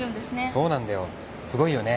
そうなんだよすごいよね。